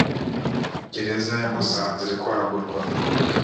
gereza ya musanze iri kwagurwa